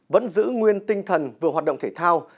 vẫn giữ nguyên tinh thần vừa hoạt động thể thao